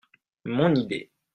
Mon idée.